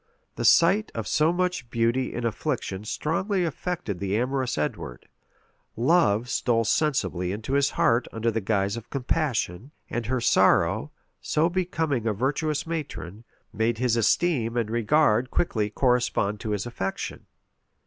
The sight of so much beauty in affliction strongly affected the amorous Edward; love stole sensibly into his heart under the guise of compassion; and her sorrow, so becoming a virtuous matron, made his esteem and regard quickly correspond to his affection.